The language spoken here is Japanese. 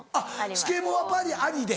スケボーはパリありで。